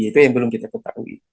itu yang belum kita ketahui